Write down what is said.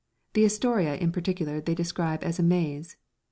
The Astoria in particular they describe as a maze.